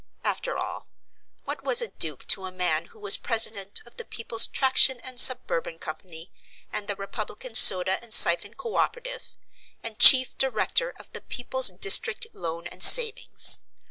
After all, what was a duke to a man who was president of the People's Traction and Suburban Co., and the Republican Soda and Siphon Co operative, and chief director of the People's District Loan and Savings?